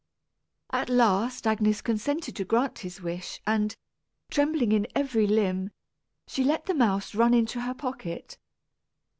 At last Agnes consented to grant his wish and, trembling in every limb, she let the mouse run into her pocket.